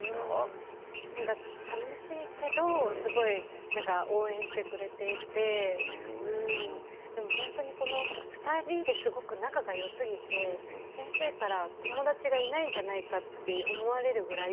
さみしいけどすごい応援してくれていて本当に２人ですごく仲がよすぎて先生から友達がいないんじゃないかと思われるぐらい。